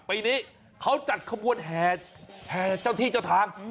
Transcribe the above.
ปีนี้เขาจัดขบวนแห่เจ้าที่เจ้าทาง